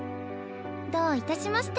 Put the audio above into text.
どういたしまして。